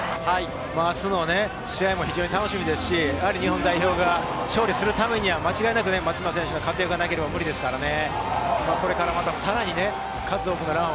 明日の試合も非常に楽しみですし、日本代表が勝利するためには松島選手の活躍がなければ無理ですからね。